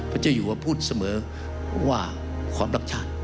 ปัจจุยัวพูดเสมอว่าความรักชาติ